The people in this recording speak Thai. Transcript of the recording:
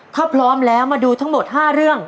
ถ้าพร้อมแล้วมาดูทั้งหมด๕เรื่อง